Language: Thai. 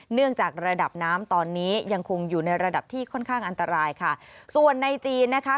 เนื่องจากระดับน้ำตอนนี้ยังคงอยู่ในระดับที่ค่อนข้างอันตรายค่ะส่วนในจีนนะคะ